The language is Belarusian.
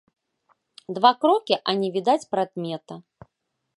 Два крокі, а не відаць прадмета.